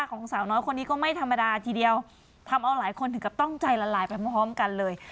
ของสาวน้อยคนนี้ก็ไม่ธรรมดาทีเดียวทำเอาหลายคนถึงกับต้องใจละลายไปพร้อมกันเลย